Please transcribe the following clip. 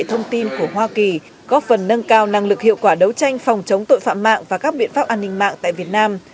thông tin của hoa kỳ góp phần nâng cao năng lực hiệu quả đấu tranh phòng chống tội phạm mạng và các biện pháp an ninh mạng tại việt nam